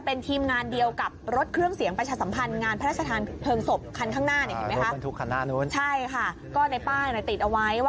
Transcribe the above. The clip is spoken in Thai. ไปเรื่อยไม่ต้องกลัว